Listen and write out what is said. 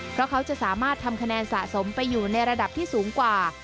เพราะเขาจะสามารถทำคะแนนสะสมไปอยู่ในระดับที่สูงกว่า